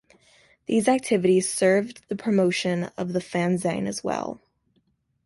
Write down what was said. These activities served the promotion of the fanzine as well.